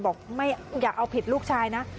บอกไม่อย่าเอาผิดลูกชายนะ